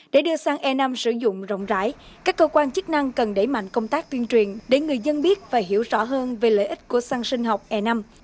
để đưa sang e năm sử dụng rộng rãi các cơ quan chức năng cần đẩy mạnh công tác tuyên truyền để người dân biết và hiểu rõ hơn về lợi ích của săn sinh học e năm